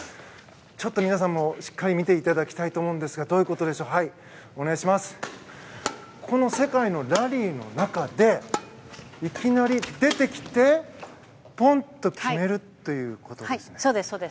皆さんもしっかり見ていただきたいんですがこの世界のラリーの中でいきなり出てきてポン！と決めるってことですね。